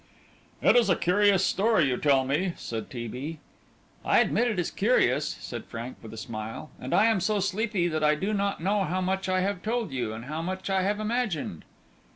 "It is a curious story you tell me," said T. B. "I admit it is curious," said Frank, with a smile, "and I am so sleepy that I do not know how much I have told you, and how much I have imagined."